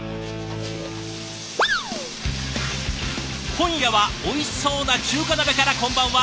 今夜はおいしそうな中華鍋からこんばんは。